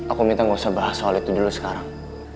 aku minta gak usah bahas soal itu dulu sekarang